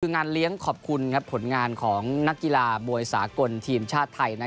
งานเลี้ยงขอบคุณครับผลงานของนักกีฬาบริษัทธิ์เทียมชาติไทย